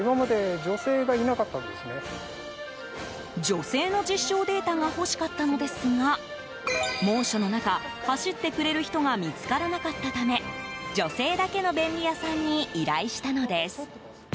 女性の実証データが欲しかったのですが猛暑の中、走ってくれる人が見つからなかったため女性だけの便利屋さんに依頼したのです。